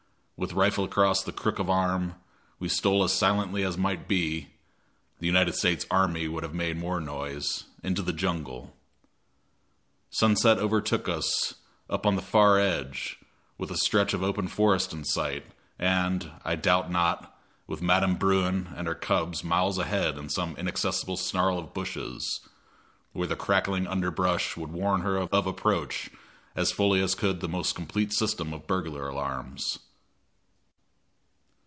With rifle across the crook of arm, we stole as silently as might be the United States army would have made more noise into the jungle. Sunset overtook us up on the far edge, with a stretch of open forest in sight, and, I doubt not, with Madam Bruin and her cubs miles ahead in some inaccessible snarl of bushes, where the crackling underbrush would warn her of approach as fully as could the most complete system of burglar alarms.